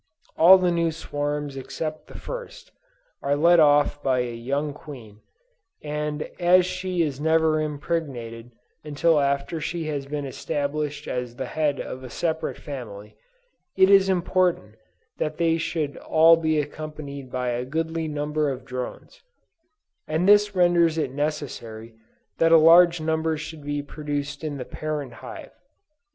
All the new swarms except the first, are led off by a young queen, and as she is never impregnated until after she has been established as the head of a separate family, it is important that they should all be accompanied by a goodly number of drones; and this renders it necessary that a large number should be produced in the parent hive.